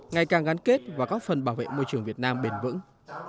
ngày càng gắn kết vào các phần bảo vệ môi trường việt nam bền vững